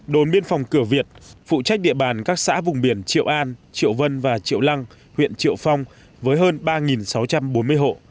đồn biên phòng cửa việt phụ trách địa bàn các xã vùng biển triệu an triệu vân và triệu lăng huyện triệu phong với hơn ba sáu trăm bốn mươi hộ